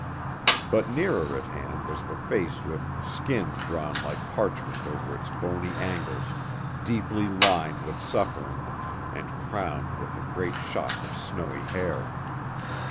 But nearer at hand was the face with skin drawn like parchment over its bony angles, deeply lined with suffering, and crowned with a great shock of snowy hair.